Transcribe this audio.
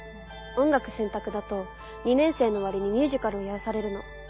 音楽選択だと２年生の終わりにミュージカルをやらされるの。